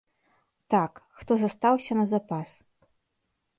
Так, хто застаўся на запас?